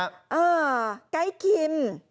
อ่าไกด์คลิม